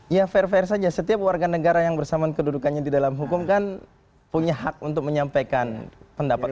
ya fair fair saja setiap warga negara yang bersamaan kedudukannya di dalam hukum kan punya hak untuk menyampaikan pendapat